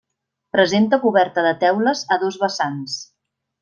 Presenta coberta de teules a dos vessants.